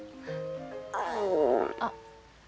あっ。